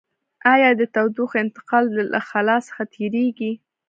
آیا د تودوخې انتقال له خلاء څخه تیریږي؟